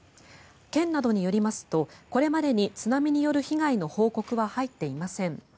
県などによりますとこれまでに津波による被害の報告は入っていません。